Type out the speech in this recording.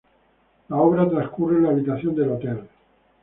La obra transcurre en la habitación del hotel.